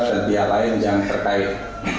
dan pihak lain yang terkait